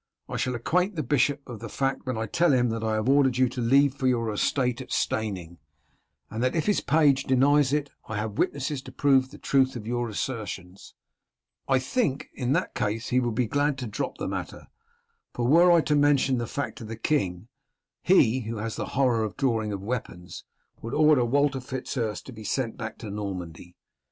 "I shall acquaint the bishop with the fact when I tell him that I have ordered you to leave for your estate at Steyning, and that if his page denies it, I have witnesses to prove the truth of your assertions. I think in that case he will be glad to drop the matter, for were I to mention the fact to the king, he, who has a horror of the drawing of weapons, would order Walter Fitz Urse to be sent back to Normandy.